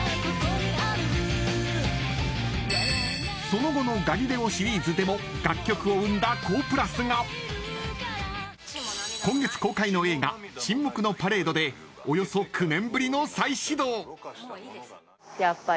その後のガリレオシリーズでも楽曲を生んだＫＯＨ＋が今月公開の映画沈黙のパレードでおよそ９年ぶりの再始動。